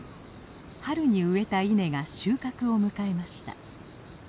春に植えた稲が収穫を迎えました。